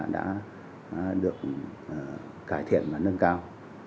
đã được cải thiện và nâng cao